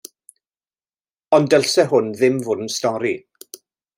Ond dylse hwn ddim fod yn stori.